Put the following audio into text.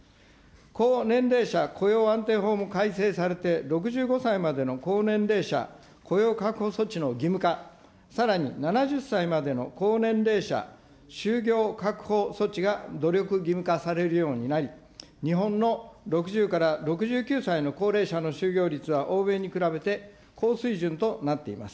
高年齢者雇用安定法も改正されて、６５歳までの高年齢者、雇用確保措置の義務化、さらに７０歳までの高年齢者、就業確保措置が努力義務化されるようになり、日本の６０から６９歳の高齢者の就業率は欧米に比べて高水準となっています。